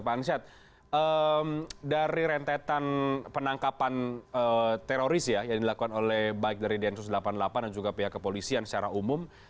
pak ansyad dari rentetan penangkapan teroris ya yang dilakukan oleh baik dari densus delapan puluh delapan dan juga pihak kepolisian secara umum